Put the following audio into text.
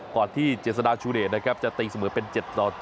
ก่อนที่เจศดาชุเดทจะติ๊งเสมือเป็น๗ต่อ๗